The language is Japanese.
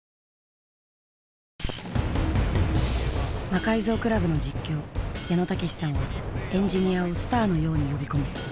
魔改造倶楽部の実況矢野武さんはエンジニアをスターのように呼び込む。